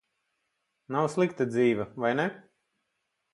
Nav slikta dzīve, vai ne?